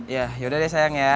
ya ya udah sayang ya oke